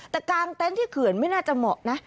แต่กางเต็นต์ที่เขื่อนไม่น่าจะเหมาะนะ